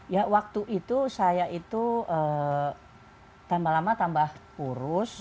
ya waktu itu saya itu tambah lama tambah kurus